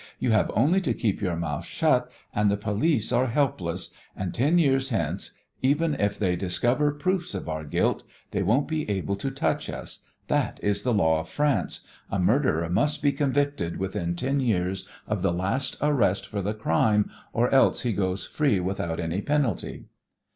You have only to keep your mouth shut, and the police are helpless, and ten years hence, even if they discover proofs of our guilt, they won't be able to touch us. That is the law of France. A murderer must be convicted within ten years of the last arrest for the crime or else he goes free without any penalty."